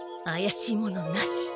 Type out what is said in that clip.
あやしい者なし！